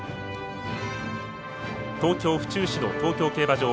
東京・府中市の東京競馬場。